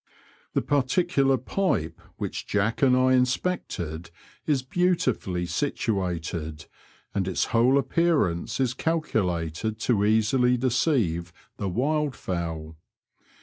The particular pipe which Jack and I inspected is beautifully situated, and its whole appearance is calculated to easily deceive the wild fowl.